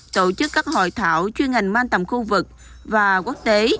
tổ chức các hội thảo chuyên ngành mang tầm khu vực và quốc tế